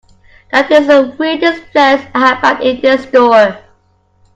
That is the weirdest dress I have found in this store.